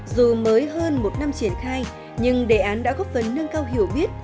dù mới hơn một năm triển khai nhưng đề án đã góp phần nâng cao hiểu biết